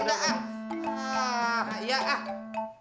nah ya kak